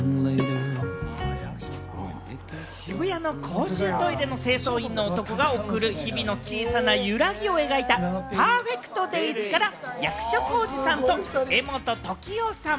渋谷の公衆トイレの清掃員の男が送る日々の小さな揺らぎを描いた『ＰＥＲＦＥＣＴＤＡＹＳ』から役所広司さんと柄本時生さん。